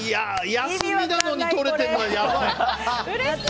休みなのに取れてるのはやばい。